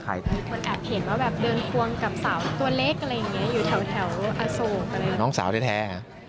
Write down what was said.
มันอาจเห็นว่าเดินควงกับสาวตัวเล็กอะไรอย่างนี้